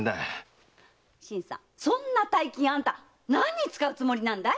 そんな大金何に遣うつもりなんだい？